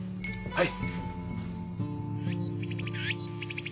はい。